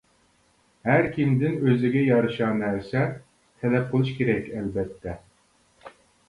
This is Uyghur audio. ھەركىمدىن ئۆزىگە يارىشا نەرسە تەلەپ قىلىش كېرەك، ئەلۋەتتە.